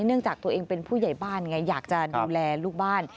เนื่องจากตัวเองเป็นผู้ใหญ่บ้านไงอยากจะดูแลลูกบ้าน